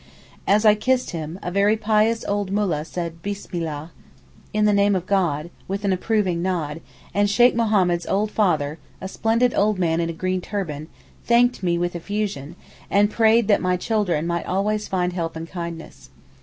As I kissed him, a very pious old moollah said Bismillah (In the name of God) with an approving nod, and Sheykh Mohammed's old father, a splendid old man in a green turban, thanked me with effusion, and prayed that my children might always find help and kindness.